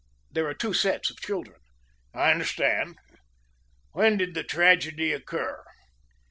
There are two sets of children." "I understand. When did the tragedy occur?"